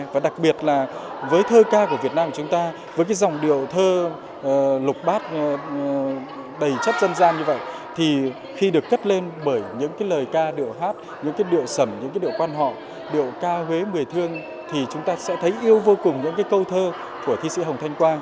và đặc biệt là với thơ ca của việt nam của chúng ta với cái dòng điệu thơ lục bát đầy chất dân gian như vậy thì khi được cất lên bởi những cái lời ca điệu hát những cái điệu sầm những cái điệu quan họ điệu ca huế mười thương thì chúng ta sẽ thấy yêu vô cùng những cái câu thơ của thi sĩ hồng thanh quang